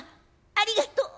「ありがとう。